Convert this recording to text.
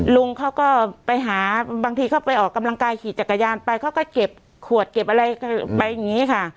ลุงเขาก็ไปหาบางทีเขาไปออกกำลังกายขี่จักรยานไปเขาก็เก็บขวดเก็บอะไรไปอย่างนี้ค่ะ